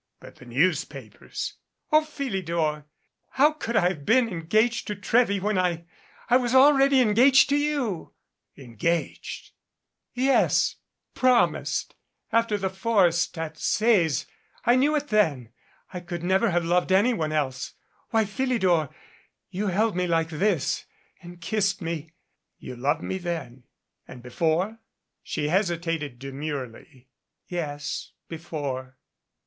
"But the newspapers " "0 Philidor! How could I have been engaged to Trewy when I I was already engaged to you?" 340 DUO "Engaged." "Yes, promised. After the forest at Sees I knew it then. I could never have loved anyone else. Why, Phili dor, you held me like this, and kissed me " "You loved me then and before ?" She hesitated demurely. "Yes before."